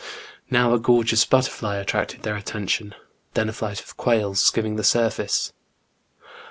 Now a gorgeous butterfly attracted their attention, then a flight of quails skimming the surface.